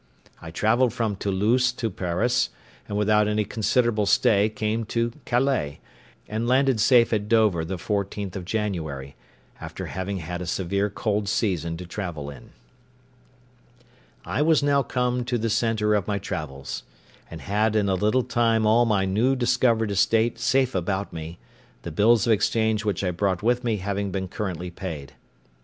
I travelled from Toulouse to Paris, and without any considerable stay came to Calais, and landed safe at Dover the 14th of January, after having had a severe cold season to travel in. I was now come to the centre of my travels, and had in a little time all my new discovered estate safe about me, the bills of exchange which I brought with me having been currently paid.